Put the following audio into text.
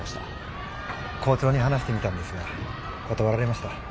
校長に話してみたんですが断られました。